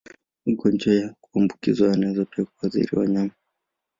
Magonjwa ya kuambukiza yanaweza pia kuathiri wanyama.